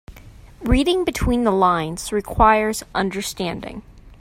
Reading between the lines requires understanding.